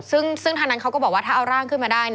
ซึ่งทางนั้นเขาก็บอกว่าถ้าเอาร่างขึ้นมาได้